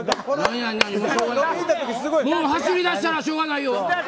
走りだしたらしょうがないよ。